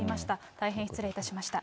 大変失礼いたしました。